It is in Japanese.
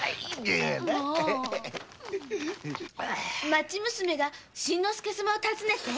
町娘が新之助様を訪ねて？